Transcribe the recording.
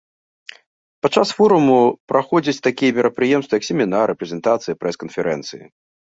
Падчас форуму праходзяць такія мерапрыемствы, як семінары, прэзентацыі, прэс-канферэнцыі.